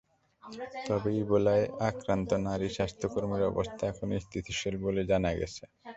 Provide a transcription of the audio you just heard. তবে ইবোলায় আক্রান্ত নারী স্বাস্থ্যকর্মীর অবস্থা এখন স্থিতিশীল বলে জানা গেছে।